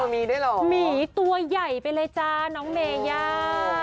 มีได้หรอมีตัวใหญ่ไปเลยจ๊ะน้องเมย่า